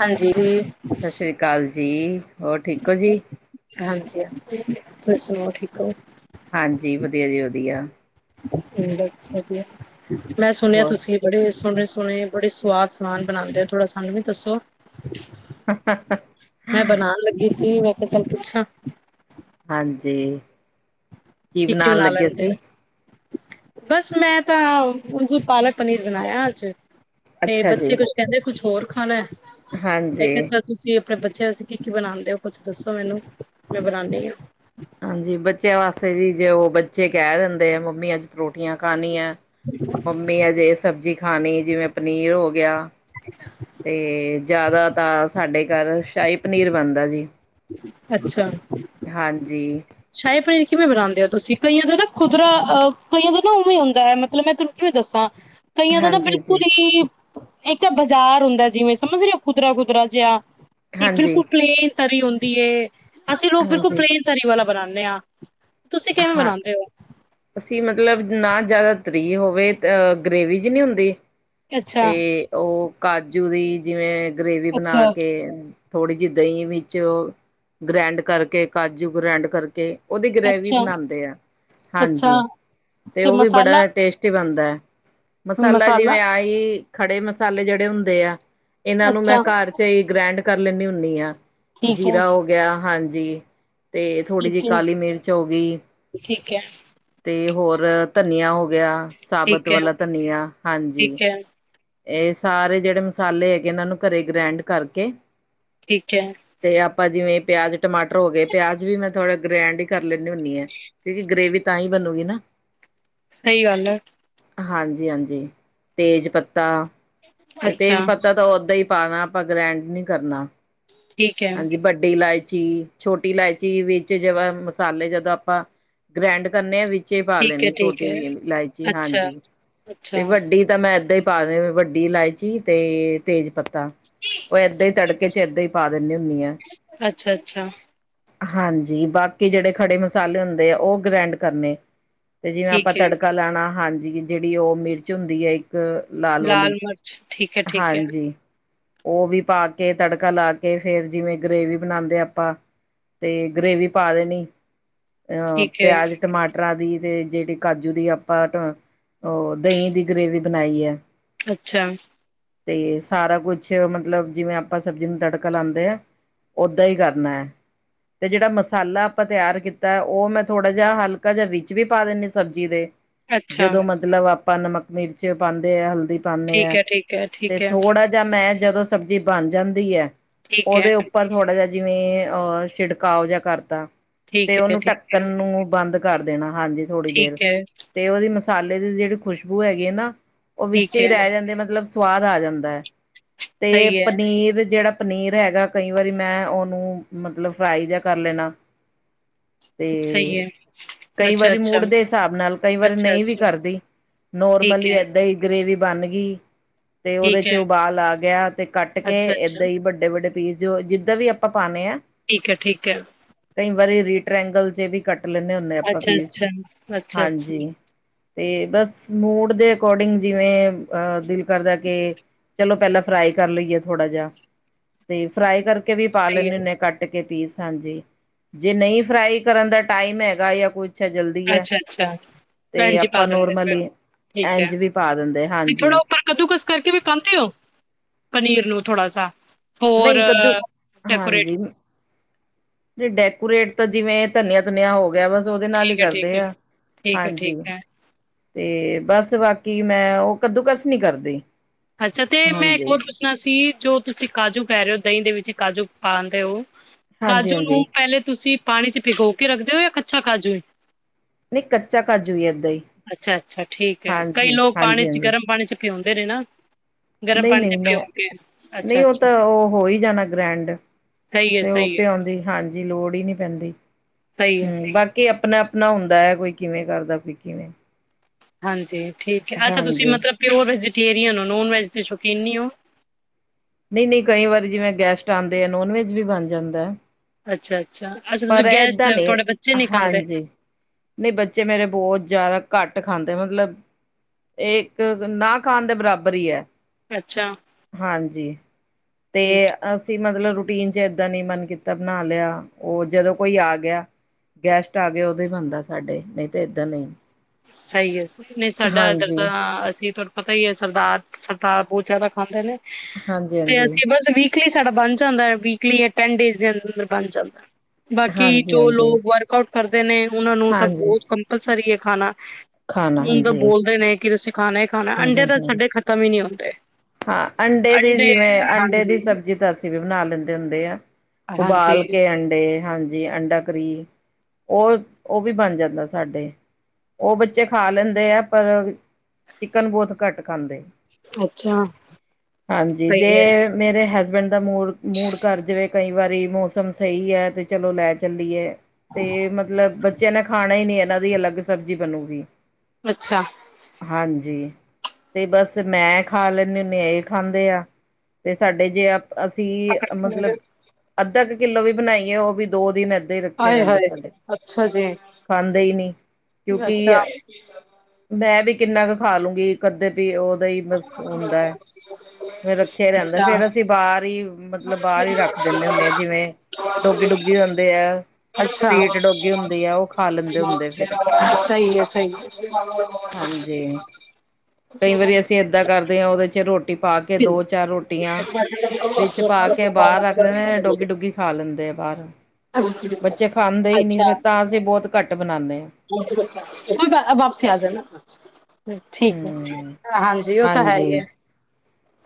ਹਾਂਜੀ ਜੀ ਸ਼ਸ੍ਰੀ ਕਾਲ ਜੀ ਹੋਰ ਠੀਕ ਔ ਜੀ। ਹਾਂਜੀ-ਹਾਂਜੀ ਤੁਸੀ ਸੁਣਾਉ ਠੀਕ ਓ। ਹਾਂਜੀ ਵਧੀਆ ਜੀ ਵਧੀਆ। ਹ ਬਸ ਵਧੀਆ ਮੈਂ ਸੁਣੇਆ ਹੋਰ ਤੁਸੀਂ। ਬੜੇ ਸੋਣੇ ਸੋਣੇ ਬੜੇ ਸਵਾਦ ਸਮਾਨ ਬਨਾਣਦੇ ਉ ਥੋੜ੍ਹਾ ਸਾਨੂੰ ਵੀ ਦੱਸੋ। ਹ ਹ ਹ। ਮੈਂ ਬਣਾਣ ਲੱਗੀ ਸੀ ਮੈਂ ਕਿਆ ਚਲ ਪੁੱਛਾਂ। ਹਾਂਜੀ ਕੀ ਬਨਾਣ ਬਣਾ ਲੱਗੇ ਲੈਂਦੇ ਸੀ। ਆ ਬਸ ਮੈਂ ਤਾਂ ਉਂਜ ਪਾਲਕ ਪਨੀਰ ਬਨਾਯਾ ਆੱਜ। ਤੇ ਅੱਛਾ ਜੀ। ਬੱਚੇ ਕੁਛ ਕੇਂਦੇ ਕੁਛ ਹੋਰ ਖਾਣਾ ਮੈਂ ਹਾਂਜੀ। ਕਿਆ ਚਲ। ਤੁਸੀਂ ਆਪਣੇ ਬੱਚਿਆਂ ਲਈ ਕੀ ਕੀ ਬਣਾਂਦੇ ਉ ਕੁੱਛ ਦੱਸੋ ਮੈਨੂੰ ਮੈਂ ਬਣਾਂਦੀ ਆ। ਹਾਂਜੀ ਬੱਚੇਆਂ ਵਾਸਤੇ ਜੀ ਜੇ ਉ ਬੱਚੇ ਕਹ ਦੇਂਦੇ ਏ ਮੰਮੀ ਆੱਜ ਪਰੋਠੀਆਂ ਖਾਣੀਆਂ। ਮੰਮੀ ਆੱਜ ਏ ਸਬਜ਼ੀ ਖਾਣੀ ਜਿਵੇਂ ਪਨੀਰ ਹੋ ਗੇਆ। [inaudible] ਤੇ ਜੇਆਦਾ ਤਾਂ ਸਾਡੇ ਘਾਰ ਸ਼ਾਈ ਪਨੀਰ ਬਣਦਾ ਜੀ। ਅੱਛਾ। ਹਾਂਜੀ। ਸ਼ਾਈ ਪਨੀਰ ਕਿਵੇਂ ਬਣਾਂਦੇ ਔ ਤੁਸੀਂ ਕਈਆਂ ਦਾ ਨਾ ਖੁਦਰਾ ਅ ਕਈਆਂ ਦਾ ਨਾ ਉਵੇ ਹੁੰਦੇ ਮਤਲਬ ਮੈ। ਕਿਵੇਂ ਦੱਸਾਂ ਕਈਆਂ ਦਾ ਨਾ ਹਾਂਜੀ, ਹਾਂਜੀ, ਬਿਲਕੁਲ ਈ। ਏਕ ਤ ਬਾਜ਼ਾਰ ਹੁੰਦੇ ਜਿਵੇਂ ਸਮਝ ਰੇ ਉ ਖੁਦਰਾ ਖੁਦਰਾ ਜੇਆ ਏਕ ਹਾਂਜੀ, ਬਿਲਕੁਲ ਪਲੇਨ। ਤਰੀ ਹੋਂਦੀ ਏ ਅਸੀਂ ਲੋਕ ਬਿਲਕੁਲ ਹਾਂਜੀ। ਪਲੇਨ ਤਰੀ ਵਾਲਾ ਬਨਾਣੇ ਆ। ਤੁਸੀਂ ਕੇਵੇਂ ਹਾਂ, ਬਨਾਂਦੇ ਔ। ਅਸੀਂ ਮਤਲਬ ਨਾ ਜ਼ਿਆਦਾ ਤਰੀ ਹੋਵੇ ਅ ਗਰੇੇਵੀ ਜੀ ਨੀ ਹੁੰਦੀ। ਅੱਛਾ ਤੇ ਉ ਕਾਜੂ ਦੀ ਜਿਵੇਂ ਗਰੇਵੀ ਬਣਾ ਅੱਛਾ ਕੇ। ਥੋੜ੍ਹੀ ਜੀ ਦਹੀਂ ਵਿੱਚ ਗ੍ਰੈਂਡ ਕਾਰਕੇ ਕਾਜੂ ਗ੍ਰੈਂਡ ਕਰਕੇ ਉਦੀ ਗ੍ਰੇਵੀ। ਅੱਛਾ ਬਣਾਂਦੇ ਏ ਅੱਛਾ ਹਾਂਜੀ ਤੇ ਉ ਵੀ ਬੜਾ ਟੇਸਟ। ਬਣਦੈ ਮਸਾਲਾ ਜਿਵੇਂ ਆਈ ਖੜੇ ਮਸਾਲੇ ਜੇੜੇ ਹੁੰਦੇ ਆ। ਏਨਾਂ ਨੂੰ ਮੈਂ ਅੱਛਾ ਘਾਰ ਚ ਈ ਗ੍ਰੈਂਡ ਕਰ ਲੈਂਨੀ ਹੁੰਨੀ ਆ ਠੀਕ ਹੈ ਜੀਰਾ ਹੋ ਗਿਆ ਹਾਂਜੀ ਤੇ ਥੋੜ੍ਹੀ ਜਿਹੀ ਠੀਕ ਹੈ ਕਾਲੀ ਮਿਰਚ ਹੋ ਗਈ। ਠੀਕ ਹੈ। ਅਤੇ ਹੋਰ ਧਨੀਆ ਹੋ ਗਿਆ ਸਾਬਤ ਠੀਕ ਹੈ ਵਾਲਾ ਧਨੀਆ ਹਾਂਜੀ। ਠੀਕ ਹੈ ਇਹ ਸਾਰੇ ਜਿਹੜੇ ਮਸਾਲੇ ਹੈਗੇ ਇਹਨਾਂ ਨੂੰ ਘਰੇ ਗ੍ਰੈਂਡ ਕਰਕੇ। ਠੀਕ ਹੈ। ਤੇ ਆਪਾਂ ਜਿਵੇਂ ਪਿਆਜ ਟਮਾਟਰ ਹੋ ਗਏ ਪਿਆਜ ਵੀ ਮੈਂ ਥੋੜ੍ਹਾ ਗ੍ਰੈਂਡ ਹੀ ਕਰ ਲੈਂਦੀ। ਹੁੰਦੀ ਆ ਕਿਉਂਕਿ ਗ੍ਰਰੇਵੀ ਤਾਂ ਹੀ ਬਣੂਗੀ ਨਾ। ਸਹੀ ਗੱਲ ਹੈ। ਹਾਂਜੀ-ਹਾਂਜੀ ਤੇਜ ਪੱਤਾ ਤੇ ਤੇਜ ਅੱਛਾ ਪੱਤਾ ਤਾਂ ਓਦਾਂ ਹੀ। ਪਾਣਾ ਆਪਾਂ ਗ੍ਰੈਂਡ ਨੀ ਕਰਨਾ ਠੀਕ ਹੈ ਹਾਂਜੀ ਵੱਡੀ ਇਲਾਇਚੀ। ਛੋਟੀ ਇਲਾਇਚੀ ਵਿੱਚ ਜੀਵੇ ਮਸਾਲੇ ਜਦੋਂ ਆਪਾਂ ਗ੍ਰੈਂਡ ਕਰਨੇ ਆ ਵਿਚ। ਵਿੱਚੇ ਪਾ ਲੈਣੀ ਛੋਟੀ ਇਲਾਇਚੀ ਹਾਂਜੀ ਤੇ ਵੱਡੀ ਤਾਂ ਮੈਂ ਏਦਾਂ ਹੀ। ਪਾ ਦੇ ਵੱਡੀ ਇਲਾਇਚੀ ਤੇ ਤੇਜ ਪੱਤਾ ਉਹ ਏਦਾਂ ਹੀ ਤੜਕੇ ਚ ਇਏਦਾਂ ਹੀ। ਪਾ ਦਿੰਦੀ ਹੁੰਨੀ ਆ। ਅੱਛਾ-ਅੱਛਾ। ਹਾਂਜੀ ਬਾਕੀ ਜਿਹੜੇ ਖੜੇ ਮਸਾਲੇ ਹੁੰਦੇ ਆ ਉਹ ਗ੍ਰੈਂਡ ਕਰਨੇ। ਅਤੇ ਜਿਹੜਾ ਆਪਾਂ ਤੜਕਾ ਲੈਉਣਾ ਹਾਂਜੀ ਜਿਹੜੀ ਉਹ ਮਿਰਚ ਹੁੰਦੀ ਏ। ਹਮ ਲਾਲ ਵਾਲੀ ਹਾਂਜੀ। ਉਹ ਵੀ ਪਾ ਕੇ ਤੜਕਾ ਲਾ ਕੇ ਫੇਰ ਜਿਵੇਂ ਗ੍ਰਰੇਵੀ ਬਣਾਉਦੇ ਆਪਾਂ ਤੇ ਗਰੇਵੀ। ਪਾ ਦੇਣੀ ਅਹ ਪਿਆਜ ਟਮਾਟਰ। ਜਿਹੜੀ ਕਾਜੂ ਦੀ ਆਪਾਂ ਉਹ ਦਹੀਂ ਦੀ ਗਰੇੇਵੀ ਬਣਾਈ ਹੈ। ਅੱਛਾ। ਤੇ ਸਾਰਾ ਕੁਛ ਮਤਲਬ ਜਿਵੇਂ ਆਪਾਂ ਸਬਜੀ ਨੂੰ ਤੜਕਾ ਲਾਂਦੇ ਆਂ। ਓਦਾਂ ਈ ਕਰਨਾ ਐ। ਤੇ ਜੇੜਾ ਮਸ ਸਾਲਾ ਆਪਾਂ ਤੇਆਰ ਕੀਤਾ ਓ ਮੈਂ ਥੋੜਾ ਜਾ ਹਲਕਾ ਜਾ ਵਿੱਚ ਵੀ ਪਾ ਦੇਨੀ ਸਬਜੀ ਦੇ। ਜਦੋਂ ਮਤਲਬ ਆਪਾਂ ਨਮਕ ਮਿਰਚ ਪਾਂਦੇ ਆ ਹਲਦੀ ਪਾਨੇ ਐ ਤੇ ਥੋੜਾ ਜਾ ਮੈਂ ਜਦੋਂ ਸਬਜੀ ਬਨ ਜਾਂਦੀ ਐ ਓਦੇ ਉੱਪਰ ਥੋੜਾ ਜਾ ਜਿਵੇਂ ਅ ਛਿੜਕਾਓ ਜਾ ਕਰਤਾ ਤੇ ਓਨੂੰ ਢੱਕਨ ਨੂੰ ਬੰਦ ਕਰ ਦੇਣਾ ਹਾਂਜੀ ਥੋੜੀ ਦੇਰ। ਤੇ ਓਦੀ ਮਸਾਲੇ ਦੀ ਜੇੜੀ ਖੁਸ਼ਬੂ ਹੈਗੀ ਏ ਨਾ ਓ ਵਿੱਚ ਈ ਰੈ ਜਾਂਦੀ ਮਤਲਬ ਸਵਾਦ ਆ ਜਾਂਦਾ ਐ। ਤੇ ਪਨੀਰ ਜੇੜਾ ਪਨੀਰ ਹੈਗਾ ਕਈ ਵਾਰੀ ਮੈਂ ਓਨੂੰ ਮਤਲਬ ਫਰਾਈ ਜਾ ਕਰ ਲੈਣਾ। ਤੇ ਕਈ ਵਾਰੀ ਮੂਡ ਦੇ ਹਿਸਾਬ ਨਾਲ ਕਈ ਵਾਰੀ ਨਈ ਵੀ ਕਰਦੀ। ਨੋਰਮਲੀ ਏਦਾਂ ਈ ਗਰੇਵੀ ਬਨ ਗਈ, ਤੇ ਓਦੇ ਚ ਉਬਾਲ ਆ ਗੇਆ ਤੇ ਕੱਟ ਕੇ ਏਦਾਂ ਈ ਵੱਡੇ-ਵੱਡੇ। ਪੀਸ ਜੋ ਜਿੱਦਾਂ ਵੀ ਆਪਾਂ ਪਾਨੇ ਐ। ਠੀਕ ਐ, ਠੀਕ ਐ। ਕਈ ਵਾਰੀ ਰੀ ਟ੍ਰੈਂਗਲ ਚ ਵੀ ਕੱਟ ਲੈਂਨੇ ਹੁੰਨੇ ਆ ਆਪਾਂ ਪੀਸ, ਹਾਂਜੀ। ਤੇ ਬਸ ਮੂਡ ਦੇ ਅਕੋਰਡਿੰਗ ਜਿਵੇਂ ਅ ਦਿਲ ਕਰਦਾ ਕੇ ਚਲੋ ਪੈਲਾਂ ਫਰਾਈ ਕਰ ਲਈਏ ਥੋੜਾ ਜਾ। ਤੇ ਫਰਾਈ ਕਰਕੇ ਵੀ ਪਾ ਸਹੀ ਲੈਂਨੇ ਹੈ ਹੁਨੇ ਕੱਟ ਕੇ ਪੀਸ ਹਾਂਜੀ। ਜੇ ਨਈ ਫਰਾਈ ਕਰਨ ਦਾ ਟਾਈਮ ਹੈਗਾ ਯਾ ਕੁਛ ਹੈ ਜਲਦੀ ਹੈ ਅੱਛਾ ਅੱਛਾ, ਤੇ ਐਂਜੀ ਪਾ ਆਪਾਂ ਦੇਂਦੇ, ਨੋਰਮਲੀ ਠੀਕ ਐ। ਇੰਝ ਵੀ ਪਾ ਦਿੰਦੇ ਨੀ ਥੋੜਾ ਹਾਂਜੀ ਉਪਰ। ਕੱਦੂਕਸ ਕਰਕੇ ਵੀ ਪਾਂਦੇ ਓ, ਪਨੀਰ ਨੂੰ ਥੋੜਾ ਸਾ। ਹੋਰ ਨਹੀਂ ਕੱਦੂ ਡੈਕੋਰੇਟ। ਹਾਂਜੀ ਡੈਕੋਰੇਟ ਤਾਂ ਜਿਵੇਂ ਧਨੀਆ ਧੁਨਿਆ ਹੋ ਗੇਆ, ਬਸ ਓਦੇ ਨਾਲ ਈ ਠੀਕ ਹੈ ਠੀਕ ਕਰਦੇ ਹੈ ਆ, ਠੀਕ ਹੈ ਹਾਂਜੀ। ਠੀਕ ਹੈ ਤੇ ਬਸ ਬਾਕੀ ਮੈਂ ਓ ਕੱਦੂ ਕਸ ਨੀ ਕਰਦੀ। ਅੱਛਾ ਤੇ ਮੈਂ ਏਕ ਹਾਂਜੀ ਹੋਰ ਪੁੱਛਣਾ ਸੀ ਜੋ ਤੁਸੀ ਕਾਜੂ ਕੈ ਰੇ ਓ ਦਈਂ ਦੇ ਵਿੱਚ ਕਾਜੂ ਪਾਂਦੇ ਓ ਹਾਂਜੀ ਕਾਜੂ ਨੂੰ ਹਾਂਜੀ ਪੈਲੇ ਤੁਸੀ ਪਾਣੀ ਚ ਭਿਗੋ ਕੇ ਰੱਖਦੇ ਓ ਯਾਂ ਕੱਚਾ ਕਾਜੂ ਈ ਨੀ ਕੱਚਾ ਕਾਜੂ ਈ ਏੱਦਾ ਈ। ਅਛਾ ਅਛਾ ਠੀਕ ਐ। ਕਈ ਲੋਕ ਪਾਣੀ ਚ ਗਰਮ ਪਾਣੀ ਚ ਪਿਓਂਦੇ ਨੇ ਨਾ। ਗਰਮ ਨਈ ਪਾਣੀ ਨਈ ਚ ਮੈ ਪਿਓ ਕੇ ਨੀ ਅੱਛਾ ਓ ਅੱਛਾ ਤਾਂ ਓ ਹੋ ਈ ਜਾਨਾ ਗ੍ਰੈਂਡ। ਸਹੀ ਹੈ ਤੇ ਓ ਸਹੀ ਹੈ ਪਿਓਨ ਦੀ ਹਾਂਜੀ ਲੋੜ ਈ ਨੀ ਪੈਂਦੀ। ਸਹੀ ਹੈ ਹੂੰ ਬਾਕ ਕਿ ਅਪਨਾ ਅਪਨਾ ਹੁੰਦਾ ਐ। ਕੋਈ ਕਿਵੇਂ ਕਰਦਾ ਕੋਈ ਕਿਵੇਂ। ਹਾਂਜੀ ਠੀਕ ਐ। ਅਛਾ ਤੁਸੀ ਹਾਂਜੀ ਮਤਲਬ ਪਿਓਰ ਵੈਜੀਟੇਰੀਅਨ ਓ, ਨੋਨ ਵੈਜ ਦੇ ਸ਼ਕੀਨ ਨੀ ਓ। ਨਈ ਨਈ ਕਈ ਵਾਰੀ ਜਿਵੇ ਗੈਸ਼ਟ ਆਂਦੇ ਨੇ ਨੋਨ ਵੈਜ ਵੀ ਬਣ ਜਾਂਦਾ ਐ। ਅਛਾ ਅਛਾ, ਅਛ ਤੁਸੀ ਗੈਸਟ ਨੇ ਤੋਡੇ ਬੱਚੇ ਨੀ ਖਾਂਦੇ। ਨਈ ਬੱਚੇ ਮੇਰੇ ਬੋਤ ਜਾਦਾ ਘੱਟ ਖਾਂਦੇ ਮਤਲਬ ਏ ਏਕ ਨਾ ਖਾਨ ਦੇ ਬਰਾਬਰ ਈ ਐ। ਅੱਛਾ ਹਾਂਜੀ, ਤੇ ਅਸੀ ਮਤਲਬ ਰੂਟੀਨ ਚ ਏਦਾ ਨੀ ਮਨ ਕੀਤਾ ਬਨਾ ਲੇਆ। ਓ ਜਦੋ ਕੋਈ ਆ ਗੇਆ ਗੈਸ਼ਟ ਆਗੇ ਓਦੋ ਈ ਬਨਦਾ ਸਾਡੇ ਨਈ ਤੇ ਏਦਾਂ ਨੀ। ਸਈ ਐ। ਨਈ ਸਾਡਾ ਏਧਰ ਤਾਂ ਅਸੀ ਪਤਾ ਈ ਐ ਸਰਦਾਰ ਸਰਦਾਰ ਬੋਤ ਜਾਦਾ ਖਾਂਦੇ ਨੇ। ਹਾਂਜੀ ਤੇ ਹਾਂਜੀ ਅਸੀ ਬਸ ਵੀ- ਕਲੀ ਸਾਡਾ ਬਨ ਜਾਂਦਾ ਐ। ਵੀਕਲੀ ਯਾਂ ਟੈਨ ਡੇਜ਼ ਦੇ ਅਂਦਰ ਸਾਡਾ ਬਨ ਜਾਂਦਾ। ਬਾਕੀ ਹਾਂਜੀ ਜੋ ਹਾਂਜੀ ਲੋਕ ਵਰਕ ਆਊਟ ਕਰਦੇ ਨੇ ਓਨਾ ਨੂੰ ਤਾਂ ਹਾਂਜੀ ਬੋਤ ਕੰਪਲਸਰੀ ਐ ਖਾਨਾ। ਮੇਨੂ ਤਾ ਬੋਲਦੇ ਨੇ ਕਿ ਤੁਸੀ ਖਾਨਾ ਏ ਹੂੰ- ਹੂੰ, ਹਾਂ ਅੰਡੇ ਦੀ ਜਿਵੇ ਅੰਡੇ ਦੀ ਸਬਜੀ ਦੱਸ ਜੀਵੇ ਬਣਾ ਲੈਦੇ ਹੁੰਦੇ ਆ। ਉਬਾਲ ਹਾਂਜੀ ਕੇ ਅੰਡੇ ਹਾਂਜੀ- ਜੀ ਅੰਡਾ ਕਰੀ ਉਹ- ਉਹ ਵੀ ਬਣ ਜਾਦਾ ਸਾਡੇ- ਉਹ ਬੱਚੇ ਖਾ ਲੈਦੇ ਆ ਪਰ- ਚਿਕਨ ਬੋਤ ਘੱਟ ਖਾਦੇ, ਅੱਛਾ ਹਾਂਜੀ ਸਹੀ ਹੈ ਜੇ- ਮੇਰੇ ਹਸਬੈਂਡ ਦਾ ਮੂਡ- ਮੂਡ ਕਰ ਜਾਵੇ ਕਈ ਵਾਰੀ ਮੋਸਮ ਸਹੀ ਹੈ। ਤੇ ਚਲੋ ਲੈ ਚਲੀਏ- ਤੇ ਮਤਲਬ ਬੱਚਿਆਂ ਨੇ ਖਾਣਾ ਹੀ ਨਈ ਐ ਇਹਨਾ ਦੀ ਅਲਗ ਸਬਜੀ ਬਣੂਗੀ। ਅੱਛਾ ਹਾਂਜ ਜੀ ਤੇ ਬਸ ਮੈ ਖਾ ਲੈਦੀ ਹੁੰਦੀ ਇਹ ਖਾਦੇ ਆ, ਤੇ ਸਾਡੇ ਜੇ- ਅਸੀ ਮਤਲਬ ਅਧਾ ਕੁ ਕਿਲੋ ਵੀ ਬਣਾਈਏ ਉਹ ਵੀ ਦੋ ਦਿਨ- ਰੱਖਿਆ ਆਏ ਰਹਿੰਦਾ ਹਾਏ ਸਾਡੇ, ਅੱਛਾ ਜੀ ਖਾਦੇ ਈ ਨਈ ਕਿਉਕਿ ਅੱਛਾ ਐ ਮੈਂ ਵੀ ਕਿੰਨਾ ਕੁ ਖਾ ਲੂਗੀ, ਇਕ-ਅੰਧੇ ਪੀਸ ਉਹਦਾ ਈ ਬਸ ਹੁੰਦਾ ਐ। ਫਿਰ ਰੱਖਿਆ ਹੀ ਰਹਿੰਦਾ ਅੱਛਾ ਫੇਰ ਅਸੀ ਬਾਹਰ ਹੀ ਮਤਲ ਮਤਲਬ ਬਾਹਰ ਹੀ ਰਖ ਦਿੰਦੇ ਹੁੰਦੇ ਆ ਜਿਵੇ ਡੋਗੀ -ਡੁਗੀ ਹੁੰਦੇ ਐ। ਅਛਾ ਹੁੰਦੇ ਫਿਰ ਸਹੀ ਏ-ਸਹੀ ਏ। ਹਾਂਜੀ [inaudible] ਕਈ ਵਾਰੀ ਅਸੀ ਏਦਾ ਕਰਦੇ ਹਾਂ ਉਹਦੇ 'ਚ ਰੋਟ ਰੋਟੀ ਪਾ ਕੇ ਦੋ-ਚਾਰ ਰੋਟੀਆਂ ਵਿਚ ਪਾ ਕੇ ਬਾਹਰ ਰੱਖਦੇ ਨੇ ਡੋਗੀ-ਡੁਗੀ ਖਾ ਲੈਦੇ ਆ ਬਾਹਰ, ਬੱਚੇ ਖਾਦੇ ਹੀ ਨੀ ਫਿਰ ਤਾਂ ਅਸੀ ਬਹੁਤ ਘੱਟ ਬਣਾਦੇ ਆ। ਵਾਪਸੀ ਆ ਜਾਣਾ। ਠੀਕ ਏ। ਹਮ ਹਾਂਜੀ ਉਹ ਤਾਂ ਹੈ ਹੀ ਹਾਂਜੀ ਏ।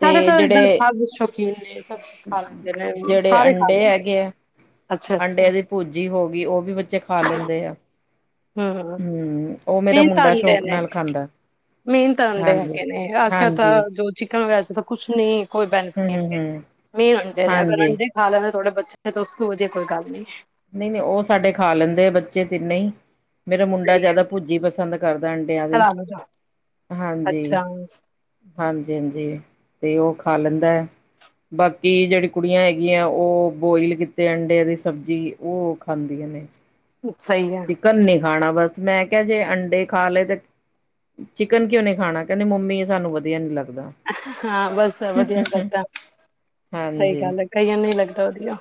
ਸਾਡੇ ਤਾਂ ਇਦਾਂ ਜਿਹੜੇ ਸਭ ਸ਼ੋਕੀਨ ਨੇ ਸਭ ਖਾ ਲੈਂਦੇ ਨੇ ਜਿਹੜੇ ਸਾਰੇ ਖਾ ਲੈਂਦੇ- ਹੈਗੇ ਆ ਅੱਛਾ ਅੱਛਾ ਅੰਡੇ ਦੀ ਭੂਜੀ ਹੋ ਗਈ ਉਹ ਵੀ ਬੱਚੇ ਖਾ ਲੈਦੇ ਆ। ਹੂੰ- ਹੂੰ। ਹੂੰ ਉਹ ਮੇਰਾ ਮੁੰਡਾ ਸ਼ੋਕ ਨਾਲ ਖਾਦਾ। ਮੈਨ ਤਾ ਅੱਡੇ ਹੈਗੇ ਨੇ ਅੱਜ-ਕੱਲ ਤਾਂ ਜੋ ਚਿਕਨ ਵਗੈਰਾ ਤਾਂ ਕੁਛ ਨੀ ਕੋਈ ਬੈਨਫਿਟ- ਹੂੰ-ਹੂੰ-ਹੂੰ, ਮੇਨ ਅੰਡੇ ਨੇ ਅਗਰ ਹਾਂਜੀ। ਅੰਡੇ ਖਾ ਲੈਦੇ ਥੋੜੇ ਬੱਚੇ ਤਾਂ ਉਸ ਵਧੀਆ ਕੋਈ ਗੱਲ ਨੀ। ਨਈ-ਨਈ ਉਹ ਸਾਡੇ ਖਾ ਲੈਦੇ ਆ ਬੱਚੇ ਤਿੰਨੇ ਹੀ ਮੇਰਾ ਸਹੀ ਮੁੰਡਾ ਜਿਆਦਾ ਹੈ ਭੁੱਜੀ ਪਸੰਦ ਕਰਦਾ ਅੰਡਿਆਂ ਦੀ, ਚਲਾ ਲੋ ਜਾ। ਹਾਂਜੀ, ਅੱਛਾ ਹਾਂਜੀ ਹਾਂਜੀ, ਤੇ ਉਹ ਖਾ ਲੈਦਾ ਐ। ਬਾਕੀ ਜਿਹੜੀ ਕੁੜੀਆਂ ਹੈਗੀਆਂ ਉਹ ਬੋਇਲ ਕੀਤੇ ਅੰਡਿਆਂ ਦੀ ਸਬਜੀ ਓ ਉਹ ਖਾਂਦੀਆਂ ਨੇ- ਸਹੀ ਗੱਲ ਚਿਕਨ ਨੀ ਖਾਣਾ ਬਸ, ਮੈਂ ਕਿਹਾ ਜੇ ਅੰਡੇ ਖਾ ਲਏ ਤੇ ਚਿਕਨ ਕਿਉਂ ਨੀ ਖਾਣਾ, ਕਹਿੰਦੇ ਮੰਮੀ ਸਾਨੂੰ ਵਧੀਆ ਨੀ ਲੱਗਦਾ। ਹਾਂ ਬਸ ਵਧੀਆ ਲੱਗਦਾ, ਸਹੀ ਹਾਂਜੀ। ਗੱਲ ਐ ਕਈਆਂ ਨੀ ਲੱਗਦਾ ਵਧੀਆ।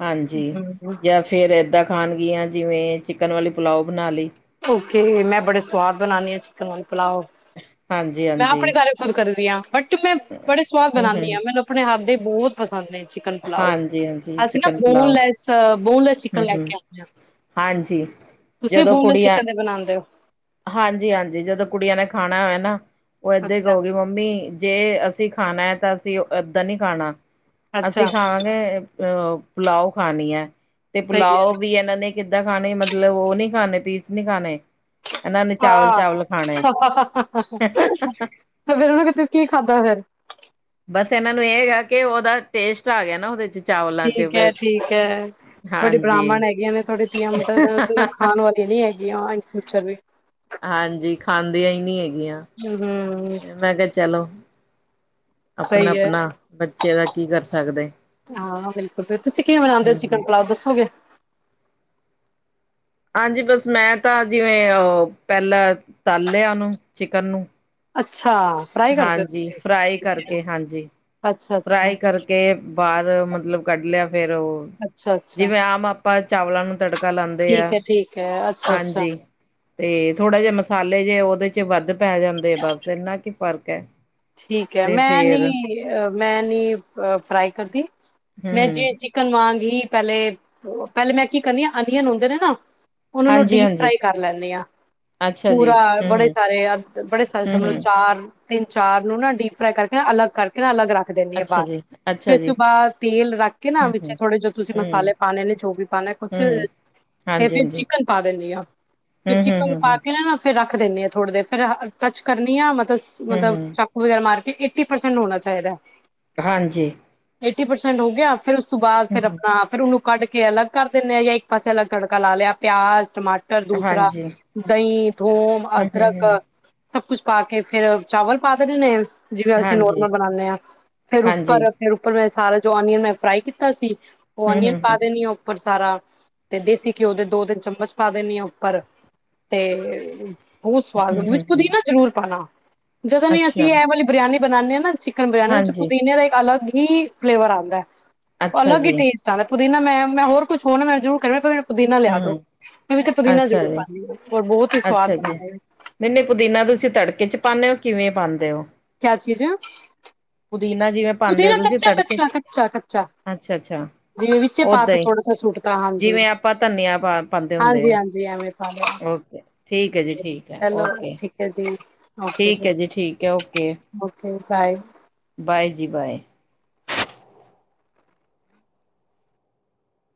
ਹਾਂਜੀ ਹੂੰ। ਜਾਂ ਫਿਰ ਇੱਦਾਂ ਖਾਣਗੀਆਂ ਜਿਵੇਂ ਚਿਕਨ ਵਾਲੀ ਪੁਲਾਓ ਬਣਾ ਲਈ। ਓਕੇ ਮੈਂ ਬੜੇ ਸਵਾਦ ਬਣਾਣੀ ਆਂ ਚਿਕਨ ਵਾਲ ਪਲਾਓ। ਮੈਂ ਹਾਂਜੀ-ਹਾਂਜੀ, ਆਪਣੇ ਘਰ ਖੁਦ ਕਰਨੀ ਆ। ਬਟ ਮੈਂ ਬੜੇ ਸਵਾਦ ਬਣਾਦੀ ਆ, ਹੂੰ-ਹੂੰ, ਮੈਨੂੰ ਆਪਣੇ ਹੱਥ ਦੇ ਬਹੁਤ ਪਸੰਦ ਨੇ ਚਿਕਨ ਪਲਾਓ। ਹਾਂਜੀ-ਹਾਂਜੀ ਅਸੀਂ ਨਾ chicken pulao boneless- boneless chicken ਲੈ ਹੂੰ-ਹੂੰ। ਕੇ ਆਂਦੇ ਆ। ਹਾਂਜੀ ਤੁਸੀਂ ਜਦੋਂ ਬੋਨਲੈਸ ਕੁੜੀਆਂ ਚਿਕਨ ਦੇ ਬਣਾਉਂਦੇ ਹੋ ਹਾਂਜੀ ਹਾਂਜੀ, ਜਦੋਂ ਕੁੜੀਆਂ ਨੇ ਖਾਣਾ ਹੋਏ ਨਾ ਉਹ ਏਦਾਂ ਹੀ ਅੱਛਾ ਕਹੂਗੀ ਮੰਮ ਮੰਮੀ ਜੇ ਅਸੀਂ ਖਾਣਾ ਤਾਂ ਅਸੀਂ ਏਦਾਂ ਨੀ ਖਾਣਾ ਅੱਛਾ ਅਸੀਂ ਖਾਵਾਗੇ ਅਹ ਪੁਲਾਓ ਖਾਣੀ ਐ, ਤੇ ਸਹੀ ਪੁਲਾਓ ਹੈ ਵੀ ਏਨਾਂ ਨੇ ਕਿੱਦਾਂ ਖਾਣੇ ਮਤਲਬ ਉਹ ਨੀ ਖਾਣੇ ਪੀਸ ਨੀ ਖਾਣੇ ਇਹਨਾਂ ਨੇ ਹਾਂ ਚਾਵਲ-ਚਾਵਲ ਖਾਣੇ। ਫੇਰ ਉਹਨਾਂ ਤੇ ਕੀ ਖਾਧਾ ਫਿਰ ਬਸ ਇਹਨਾਂ ਨੂੰ ਇਹ ਹੈਗਾ ਕਿ ਉਹਦਾ ਟੇਸਟ ਆ ਗਿਆ ਨਾ ਉਹਦੇ ਚ ਚਾਵਲਾਂ ਚ ਠੀਕ ਹੈ ਠੀਕ ਹੈ ਥੜੀ ਹਾਂਜੀ ਬ੍ਰਾਹਮਣ ਹੈਗੀਆਂ ਨੇ ਤੁਹਾਡੇ ਧੀਆਂ ਪੁੱਤਰ, ਇਸ ਦਾ ਮਤਲਬ ਖਾਣ ਵਾਲੀਆਂ ਨੀ ਹੈਗੀਆਂ, ਐ ਏ ਫਿਊਚਰ ਵੀ ਹਾਂਜੀ ਖਾਂਦੀਆਂ ਹੀ ਨਹੀਂ ਹੈਗੀਆਂ, ਹਮ ਤੇ ਮੈਂ ਕਿਹਾ ਚਲੋ ਆਪਣਾ ਸਹੀ ਹੈ ਆਪਣਾ ਬੱਚੇ ਦਾ, ਕੀ ਕਰ ਸਕਦੇ ਹਾਂ ਬਿਲਕੁਲ ਫਿਰ ਤੁਸੀਂ ਕਿਵੇਂ ਬਨਾਉਂਦੇ ਹੋ, ਹਮ ਚਿਕਨ ਪੁਲਾਔ ਦੱਸੋਗੇ ਹਾਂਜੀ ਬਸ ਮੈਂ ਤਾਂ ਜਿਵੇਂ ਉਹ ਪਹਿਲਾਂ ਤਲ ਲਿਆ ਉਹਨੂੰ ਚਿਕਨ ਨੂੰ ਅੱਛਾ ਫਰਾਈ ਕਰਦੇ ਓ ਹਾਂਜੀ ਤੁਸੀਂ ਫਰਾਈ ਠੀਕ ਐ ਕਰਕੇ ਹਾਂਜੀ ਫਰਾਈ ਕਰਕੇ ਬਾਹਰ ਮਤਲਬ ਕੱਢ ਲਿਆ, ਫੇਰ ਉਹ ਅੱਛਾ ਅੱਛਾ ਜਿਵੇਂ ਆਮ ਆਪਾਂ ਚਾਵਲਾਂ ਨੂੰ ਤੜਕਾ ਲਾਉਂਦੇ ਆ, ਠੀਕ ਹੈ ਠੀਕ ਹੈ ਅੱਛਾ ਅੱਛਾ ਹਾਂਜੀ ਤੇ ਥੋੜਾ ਜਏ ਮਸਾਲੇ ਜਏ ਉਹਦੇ ਚ ਵੱਧ ਪੈ ਜਾਂਦੇ ਆ ਬਸ ਇੰਨਾ ਕੀ ਫ਼ਰਕ ਹੈ ਠੀਕ ਹੈ ਤੇ ਮੈਂ ਫੇਰ ਨੀ ਮੈਂ ਨੀ ਫਰਾਈ ਕਰਦੀ, ਹੂੰ ਮੈਂ ਹੂੰ ਜਿਵੇ ਚੀ ਚਿਕਨ ਵਾਂਗ ਹੀ ਪਹਿਲੇ, ਪਹਿਲੇ ਮੈਂ ਕੀ ਕਰਨੀ ਹ ਅਨੀਅਨ ਹੁੰਦੇ ਨੇ ਨਾ ਉਹਨਾਂ ਨੂੰ ਹਾਂਜੀ ਡੀਪ ਹਾਂਜੀ ਫਰਾਈ ਕਰ ਲੈਂਦੇ ਆਂ ਅੱਛਾ ਜੀ ਪੂਰਾ ਹੂੰ ਬੜੇ ਹੂੰ ਸਾਰੇ ਬੜੇ ਸਾਰੇ ਹੂੰ ਸਮਝ ਲੋ, ਹੂੰ ਚਾਰ ਤਿੰਨ ਚਾਰ ਨੂੰ ਨਾ ਡੀਪ ਫਰਾਈ ਕਰਕੇ ਨਾ, ਅਲੱਗ ਕਰਕੇ ਅਲੱਗ ਰੱਖ ਦਿੰਣੀ ਆ ਅੱਛਾ ਬਾਹਰ, ਜੀ ਫਿਰ ਅੱਛਾ ਇਸ ਜੀ ਤੋਂ ਬਾਅਦ ਤੇਲ ਰੱਖ ਕੇ ਨਾ ਹੂੰ ਵਿੱਚ ਹੂੰ ਥੋੜੇ ਜੋ ਤੁਸੀਂ ਹੂੰ ਮਸਾਲੇ ਪਾਣੇ ਨੇ, ਜੋ ਵੀ ਪਾਉਣਾ ਕੁੱਛ ਹੂੰ ਤੇ ਹਾਂਜੀ ਫਿਰ ਹਾਂਜੀ ਚਿਕਨ ਪਾ ਦਿੰਦੀ ਆਂ, ਫਿਰ ਹੂੰ ਹੂੰ ਹੂੰ ਚਿਕਨ ਪਾ ਹੂੰ ਕੇ ਨਾ ਫਿਰ ਰੱਖ ਦਿੰਦੀ ਹਾਂ ਥੋੜ੍ਹਾ, ਦੇਰ ਫਿਰ ਟੱਚ ਕਰਨੀ ਹਾਂ ਮਤਲਬ ਹੂੰ ਮਤਲਬ ਹੂੰ ਵਗੈਰ ਮਾਰ ਕੇ ਏਟੀ ਪਰਸੈਂਟ ਹੋਣਾ ਚਾਹੀਦਾ ਹਾਂਜੀ ਏਟੀ ਪਰਸੈਂਟ ਹੋ ਗਿਆ, ਫਿਰ ਉਸ ਤੋਂ ਬਾਅਦ ਹੂੰ ਫਿਰ ਹੂੰ ਆਪਣਾ ਫੇਰ ਉਹਨੂੰ ਕੱਢ ਕੇ ਅਲੱਗ ਕਰ ਦੇਨੇ ਆ, ਜਾਂ ਇੱਕ ਪਾਸੇ ਅਲੱਗ ਤੜਕਾ ਲਾ ਲਿਆ ਪਿਆਜ ਟਮਾਟਰ ਦੂਸਰਾ ਹਾਂਜੀ ਦਹੀਂ ਥੋਮ ਹੂੰ ਹੂੰ ਅਦਰਕ, ਹੂੰ ਸਭ ਕੁਛ ਪਾ ਕੇ ਫੇਰ ਚਾਵਲ ਪਾ ਦੇਨੇ ਆਂ ਜਿਵੇਂ ਅਸੀਂ ਹਾਂਜੀ ਨੋਰਮਲ ਬਣਾਉਂਦੇ ਹਾਂ, ਫੇਰ ਹਾਂਜੀ ਉੱਪਰ ਫਿਰ ਉੱਪਰ ਮੈਂ ਸਾਰਾ ਜੋ ਓਨੀਅਨ ਮੈਂ ਫਰਾਈ ਕੀਤਾ ਸੀ, ਉਹ ਹੂੰ ਓਨੀਅਨ ਹੂੰ ਪਾ ਹੂੰ ਦੇਣੀ ਆਂ ਉੱਪਰ ਸਾਰਾ, ਤੇ ਦੇਸੀ ਘਿਓ ਦੇ ਦੋ ਤਿੰਨ ਚਮਚ ਪਾ ਦਿੰਣੀ ਆਂ ਉੱਪਰ ਤੇ ਬਹੁਤ ਸਵਾਦ ਵਿੱਚ ਪੁਦੀਨਾ ਜਰੂਰ ਪਾਣਾ ਜਦੋਂ ਨ ਅਸੀਂ ਅੱਛਾ ਇਹ ਵਾਲੀ ਬਰਿਆਨੀ ਬਣਾਉਂਦੇ ਹਾਂ ਨਾ ਚਿਕਨ ਬਰਿਆਨੀ, ਔਦੇ ਵਿੱਚ ਹਾਂਜੀ ਪੁਦੀਨੇ ਦਾ ਇੱਕ ਅਲੱਗ ਹੀ ਫਲੇਵਰ ਆਉਂਦਾ, ਔ ਅੱਛਾ ਅਲਗ ਹੀ ਜੀ ਟੇਸਟ ਆਂਦਾ ਪੁਦੀਨਾ ਮੈਂ ਮੈਂ ਹੋਰ ਕੁਛ ਹੋਰ ਨਾ ਮੈਂ ਜ਼ਰੂਰ ਕਰ ਮ ਪੁਦੀਨਾ ਲਿਆ ਦੋ, ਹੂੰ ਮੈਂ ਵਿੱਚ ਪੁਦੀਨਾ ਅੱਛਾ ਜ਼ਰੂਰ ਜੀ ਪਾਉਦੀ ਹਾਂ ਰ ਬਹੁਤ ਹੀ ਸਵਾਦ ਬਣਦਾ ਹੈ ਨਹੀਂ ਨਹੀ ਪੁਦੀਨਾ ਤੁਸੀਂ ਤੜਕੇ ਚ ਪਾਉਂਨੇ ਹੋ ਕਿਵੇਂ ਪਾਉਂਦੇ ਹੋ ਕਿਆ ਚੀਜ਼ ਹੈ ਪੁਦੀਨਾ ਜਿਵੇਂ ਪਾਂਦੇ ਹੋ ਤੁਸੀਂ ਤੜਕੇ ਚ, ਕੱਚਾ-ਕੱਚਾ, ਕੱਚਾ-ਕੱਚਾ ਅੱਛਾ ਅੱਛਾ ਜਿਵੇਂ ਵਿੱਚੇ ਪਾ ਓਦਾਂ ਤਾ ਹੀ, ਥੋੜਾ ਸਾ ਸੁੱਟ ਤਾ ਹਾਂਜੀ, ਜਿਵੇਂ ਆਪਾਂ ਧਨੀਆ ਪਾ ਪਾਉਦੇ ਹੁੰਦੇ ਆ ਹਾਂਜੀ-ਹਾਂਜੀ ਐਵੇਂ ਪਾ ਲਿਆ। ਓਕੇ। ਠੀਕ ਹੈ ਜੀ ਠੀਕ ਹੈ, ਚਲੋ ਓਕੇ ਠੀਕ ਐ ਜੀ ਓਕੇ ਠੀਕ ਹੈ ਜੀ ਠੀਕ ਹੈ ਓਕੇ। Okay bye. ਬਾਏ ਜੀ ਬਾਏ।